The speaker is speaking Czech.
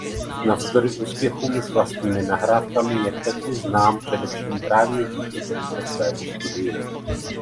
Navzdory úspěchům s vlastními nahrávkami je Petty znám především právě díky tomuto svému studiu.